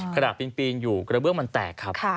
ขณะปีนอยู่กระเบื้องมันแตกครับ